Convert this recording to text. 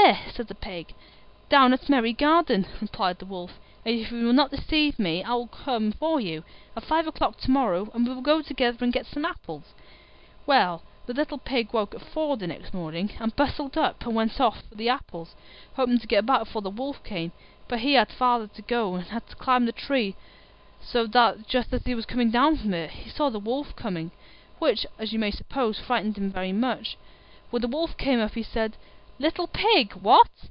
said the Pig. "Down at Merry garden," replied the Wolf; "and if you will not deceive me I will come for you, at five o'clock to morrow, and we will go together and get some apples." Well, the little Pig woke at four the next morning, and bustled up, and went off for the apples, hoping to get back before the Wolf came; but he had farther to go, and had to climb the tree, so that just as he was coming down from it, he saw the Wolf coming, which, as you may suppose, frightened him very much. When the Wolf came up he said, "Little Pig, what!